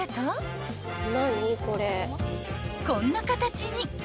［こんな形に］